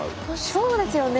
そうですよね！